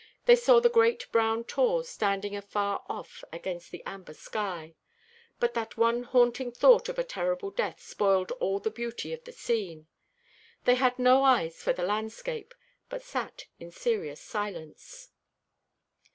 They saw the great brown tors standing afar off against the amber sky: but that one haunting thought of a horrible death spoiled all the beauty of the scene. They had no eyes for the landscape, but sat in serious silence.